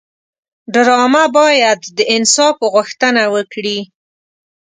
ډرامه باید د انصاف غوښتنه وکړي